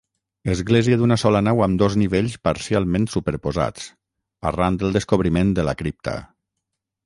Església d'una sola nau amb dos nivells parcialment superposats, arran del descobriment de la cripta.